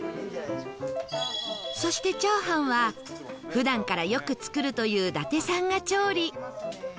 そしてチャーハンは普段からよく作るという伊達さんが調理